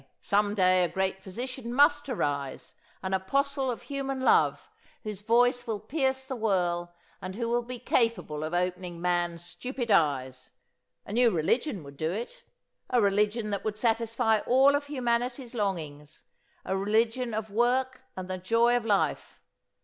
Some day a great physician must arise, an apostle of human love, whose voice will pierce the whirl and who will be capable of opening man's stupid eyes: A new religion would do it, a religion that would satisfy all of humanity's longings, a religion of work and the joy of life.